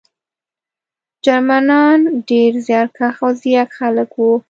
جرمنان ډېر زیارکښ او ځیرک خلک وو